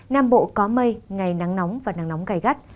nam bộ có mây ngày nắng nóng và nắng nóng gai gắt